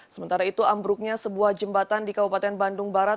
sementara itu ambruknya sebuah jembatan di kabupaten bandung barat